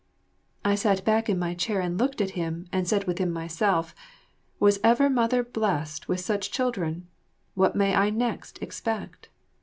I sat back in my chair and looked at him, and said within myself, "Was ever mother blessed with such children; what may I next expect?"